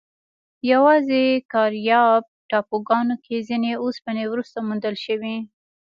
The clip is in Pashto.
یواځې کارایب ټاپوګانو کې ځینې اوسپنې وروسته موندل شوې.